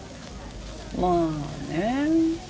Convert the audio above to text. まあね